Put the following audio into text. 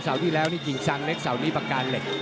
ที่แล้วนี่กิ่งซางเล็กเสานี้ปากกาเหล็ก